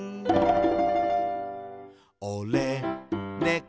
「おれ、ねこ」